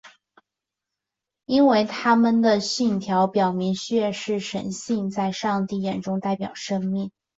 因为他们的信条表明血是神性的在上帝眼中代表生命。